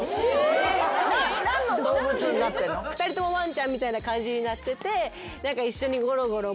２人ともワンちゃんみたいな感じになってて一緒にゴロゴロ